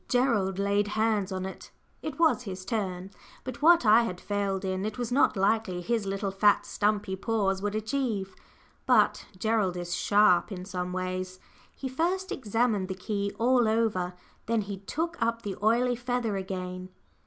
Gerald laid hands on it. It was his turn, but what I had failed in, it was not likely his little, fat, stumpy paws would achieve. But Gerald is sharp in some ways. He first examined the key all over. Then he took up the oily feather again.